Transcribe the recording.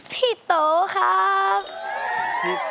พี่โตครับ